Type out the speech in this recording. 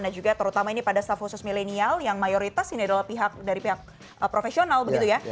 nah juga terutama ini pada staf khusus milenial yang mayoritas ini adalah pihak dari pihak profesional begitu ya